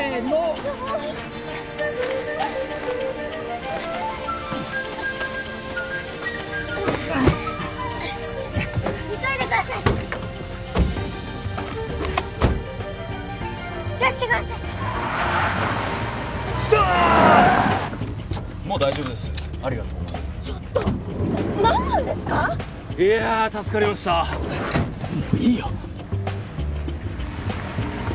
もういいよ